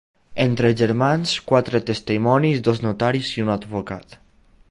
Entre germans, quatre testimonis, dos notaris i un advocat.